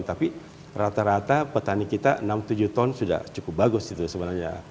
tapi rata rata petani kita enam tujuh ton sudah cukup bagus itu sebenarnya